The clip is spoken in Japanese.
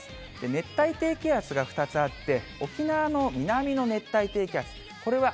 熱帯低気圧が２つあって、沖縄の南の熱帯低気圧、これは